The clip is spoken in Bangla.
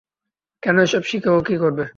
কেন, এসব শিখে ও কী করবে?